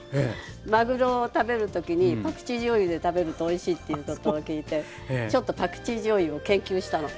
まぐろを食べる時にパクチーじょうゆで食べるとおいしいということを聞いてちょっとパクチーじょうゆを研究したの。